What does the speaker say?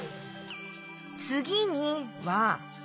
「つぎに」は。